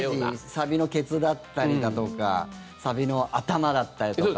サビのケツだったりだとかサビの頭だったりとかっていう。